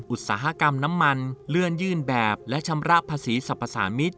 อุตสาหกรรมน้ำมันเลื่อนยื่นแบบและชำระภาษีสรรพสามิตร